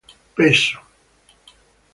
peso